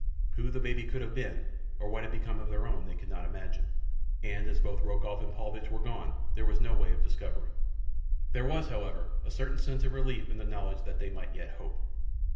Who the baby could have been, or what had become of their own, they could not imagine, and as both Rokoff and Paulvitch were gone, there was no way of discovering. There was, however, a certain sense of relief in the knowledge that they might yet hope.